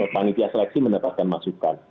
panitia seleksi mendapatkan masukan